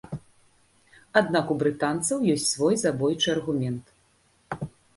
Аднак у брытанцаў ёсць свой забойчы аргумент.